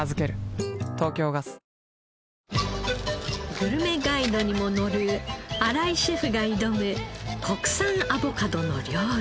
グルメガイドにも載る荒井シェフが挑む国産アボカドの料理。